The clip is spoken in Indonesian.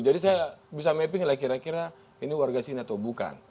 jadi saya bisa mapping lah kira kira ini warga sini atau bukan